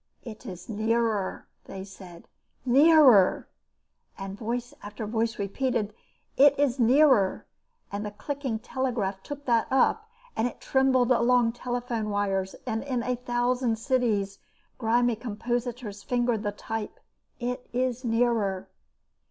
"It is nearer," they said. "Nearer!" And voice after voice repeated, "It is nearer," and the clicking telegraph took that up, and it trembled along telephone wires, and in a thousand cities grimy compositors fingered the type. "It is nearer."